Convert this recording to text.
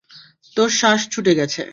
তোর শ্বাস ছুটে গেছে!